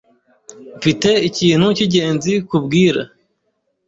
Mfite ikintu cyingenzi kubwira